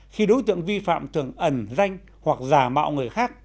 khi đối tượng vi phạm thường ẩn danh hoặc giả mạo người khác